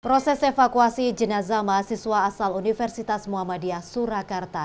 proses evakuasi jenazah mahasiswa asal universitas muhammadiyah surakarta